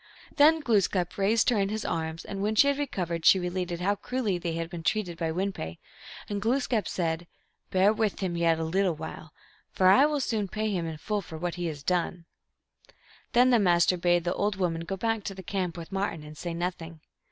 Then Glooskap raised her in his arms, and when she had recovered she related how cruelly they had been treated by Win pe. And Glooskap said, " Bear with him yet a little while, for I will soon pay him in full for what he has done." Then the Master bade the old woman go back to the camp with Martin, and say nothing.